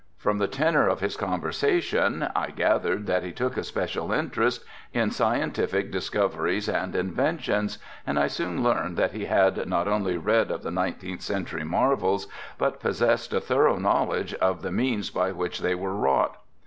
From the tenor of his conversation I gathered that he took a special interest in scientific discoveries and inventions, and I soon learned that he had not only read of the nineteenth century marvels, but possessed a thorough knowledge of the means by which they were wrought.